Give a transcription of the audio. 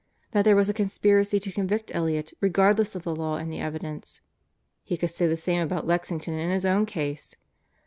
that there was a conspiracy to convict Elliott regardless of the law and the evidence (He could say the same about Lexington and his own case!)